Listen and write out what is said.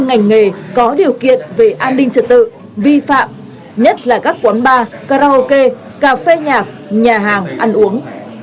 ngành nghề có điều kiện về an ninh trật tự vi phạm nhất là các quán bar karaoke cà phê nhạc nhà hàng ăn uống